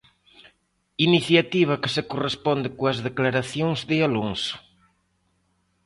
Iniciativa que se corresponde coas declaracións de Alonso.